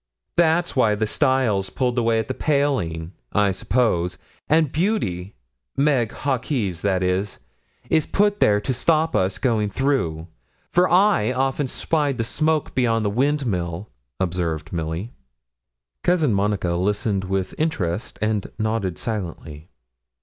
'That's why the stile's pulled away at the paling, I suppose; and Beauty Meg Hawkes, that is is put there to stop us going through; for I often spied the smoke beyond the windmill,' observed Milly. Cousin Monica listened with interest, and nodded silently.